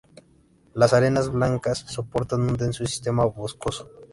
Las arenas blancas soportan un denso sistema boscoso.